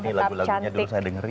ini lagu lagunya dulu saya dengerin